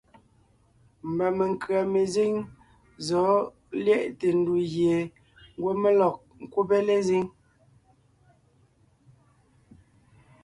Mba menkʉ̀a mezíŋ zɔ̌ lyɛʼte ndù gie ngwɔ́ mé lɔg ńkúbe lezíŋ.